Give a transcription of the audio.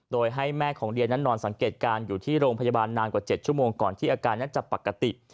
โดยให้แม่ของเดียนั้นนอนสังเกตการณ์อยู่ที่โรงพยาบาลนานกว่า๗ชั่วโมงก่อนที่อาการนั้นจะปกติ